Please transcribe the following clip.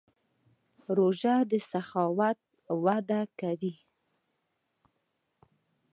روژه د سخاوت وده کوي.